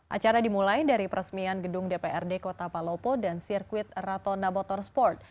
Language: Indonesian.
acara dimulai dari peresmian gedung dprd kota palopo dan sirkuit rato nabotor sport